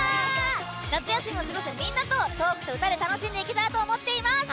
夏休みを過ごすみんなとトークと歌で楽しんでいけたらと思っています！